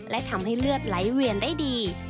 และทำให้เลือดไหลเวียนได้ดี